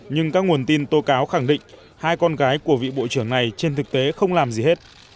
nhưng các nguồn tin tố cáo khẳng định hai con gái của vị bộ trưởng này trên thực tế không làm gì hết